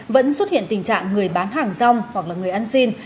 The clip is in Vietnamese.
vẫn xuất hiện tình trạng người bán hàng rong hoặc là người ăn xin